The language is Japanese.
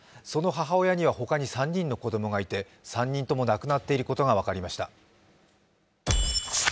その母親には他に３人の子供がいて３人とも亡くなっていることが分かりました。